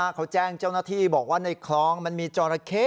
เขาแจ้งเจ้าหน้าที่บอกว่าในคลองมันมีจอราเข้